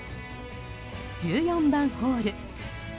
１４番ホール。